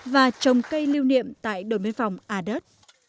và trồng cây lưu niệm tại đồn biên phòng a đớt